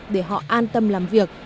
để họ an tâm làm việc